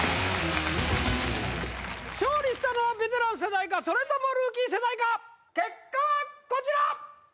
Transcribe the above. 勝利したのはベテラン世代かそれともルーキー世代か結果はこちら！